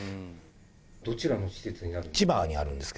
どちらの施設になるんですか。